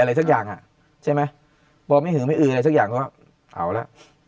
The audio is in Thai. อะไรสักอย่างอ่ะใช่ไหมบอกไม่หึงไม่อืออะไรสักอย่างก็เอาแล้ว